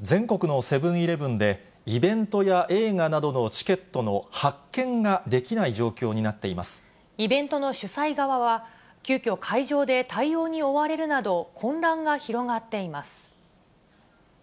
全国のセブンーイレブンで、イベントや映画などのチケットの発券ができない状況になっていまイベントの主催側は、急きょ、会場で対応に追われるなど、混乱が広がっています。